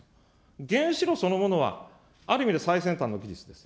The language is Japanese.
原子炉そのものは、ある意味で最先端の技術ですよ。